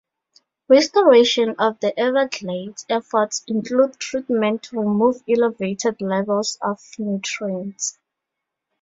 Restoration of the Everglades efforts include treatment to remove elevated levels of nutrients.